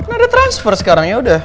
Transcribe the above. gak ada transfer sekarang yaudah